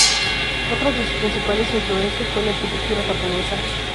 Otras de sus principales influencias fue la arquitectura japonesa.